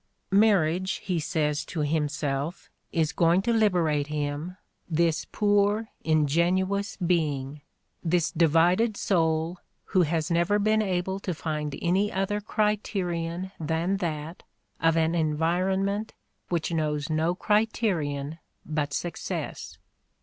Marriage, he says to himself, is going to liberate him, this poor, ingenuous being! — this divided soul who has never been able to find any other criterion than that of an environment which knows no criterion but success.